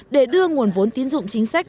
để đưa nguồn vốn tín dụng chính sách